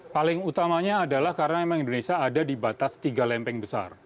paling utamanya adalah karena memang indonesia ada di batas tiga lempeng besar